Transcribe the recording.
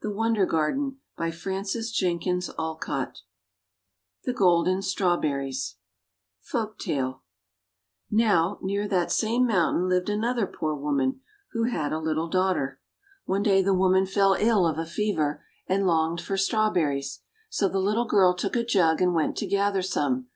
THE GOLDEN STRAWBERRIES 201 THE GOLDEN STRAWBERRIES Folktale Now, near that same mountain lived another poor woman who had a little daughter. One day the woman fell ill of a fever, and longed for Strawberries. So the little girl took a jug and went to gather some.